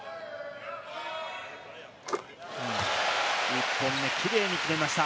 １本目、キレイに決めました。